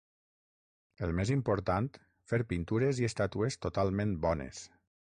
El més important, fer pintures i estàtues totalment bones.